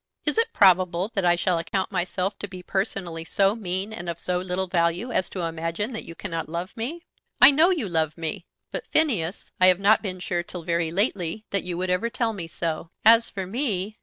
Is it probable that I shall account myself to be personally so mean and of so little value as to imagine that you cannot love me? I know you love me. But Phineas, I have not been sure till very lately that you would ever tell me so. As for me